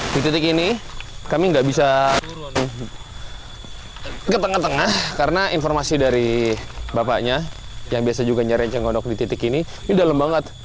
di titik ini kami nggak bisa ke tengah tengah karena informasi dari bapaknya yang biasa juga nyari eceng gondok di titik ini ini dalam banget